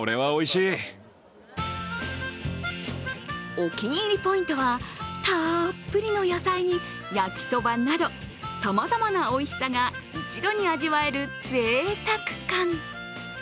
お気に入りポイントはたっぷりの野菜に焼きそばなどさまざまなおいしさが一度に味わえるぜいたく感。